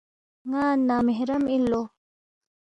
ن٘ا نامحرم اِن لو